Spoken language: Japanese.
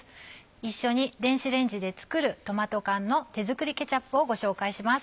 一緒に電子レンジで作るトマト缶の手作りケチャップをご紹介します。